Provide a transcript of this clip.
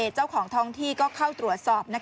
เจ้าของท้องที่ก็เข้าตรวจสอบ